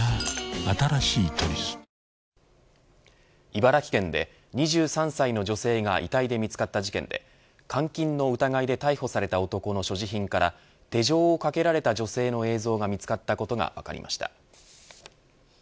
茨城県で２３歳の女性が遺体で見つかった事件で監禁の疑いで逮捕された男の所持品から手錠をかけられた女性の映像が見つかったことが分かりました。